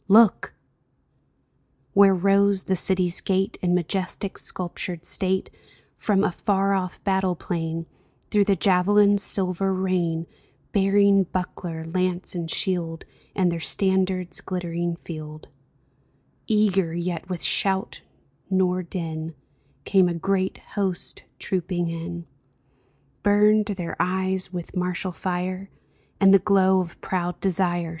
Look !" Where rose the city's gate In majestic, sculptured state, From a far off battle plain, Through the javelins' silver rain Bearing buckler, lance, and shield, And their standard's glittering field, Eager, yet with shout nor din, Came a great host trooping in. Burned their eyes with martial fire. And the glow of proud desire.